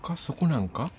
そこなんか？